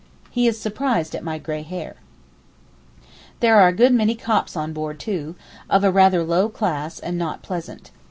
He is surprised at my gray hair. There are a good many Copts on board too, of a rather low class and not pleasant.